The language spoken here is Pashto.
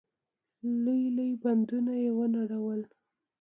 لوی لوی بندونه يې ونړول.